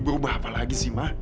berubah apa lagi sih mak